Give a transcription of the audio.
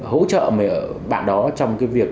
hỗ trợ bạn đó trong cái việc